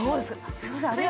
◆すいません。